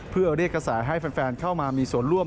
เพื่อเรียกกระแสให้แฟนเข้ามามีส่วนร่วม